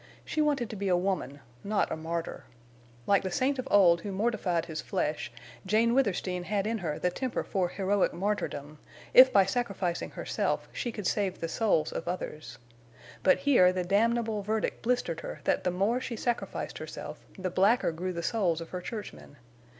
She wanted to be a woman—not a martyr. Like the saint of old who mortified his flesh, Jane Withersteen had in her the temper for heroic martyrdom, if by sacrificing herself she could save the souls of others. But here the damnable verdict blistered her that the more she sacrificed herself the blacker grew the souls of her churchmen.